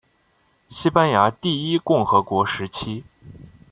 西班牙第一共和国时期。